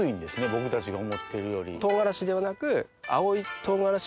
僕たちが思ってるより。